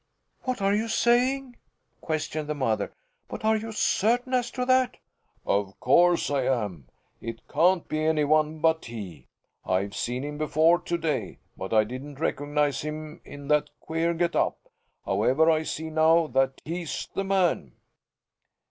"What are you saying?" questioned the mother. "But are you certain as to that?" "Of course I am. It can't be any one but he. I've seen him before to day, but I didn't recognize him in that queer get up. However I see now that he's the man."